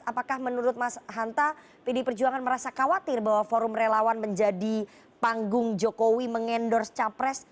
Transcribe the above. apakah menurut mas hanta pd perjuangan merasa khawatir bahwa forum relawan menjadi panggung jokowi mengendorse capres